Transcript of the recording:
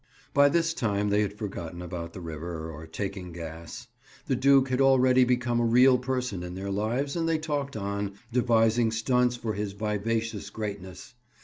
By this time they had forgotten about the river, or taking gas. The duke had already become a real person in their lives and they talked on, devising stunts for his Vivacious Greatness.